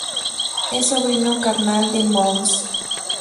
Es sobrino carnal de Mons.